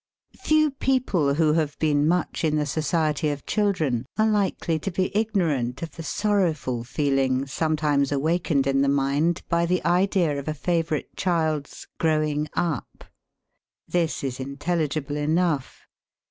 FEW people who have been much in the society of children, are likely to be ignorant of the sorrowful feeling sometimes awakened in the mind by the idea of a favorite child's " growing up." This is intelligible enough.